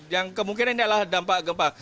yang kemungkinan ini adalah dampak gempa